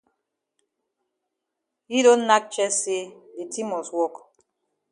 Yi don nack chest say de tin must wok.